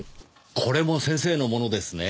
これも先生のものですね？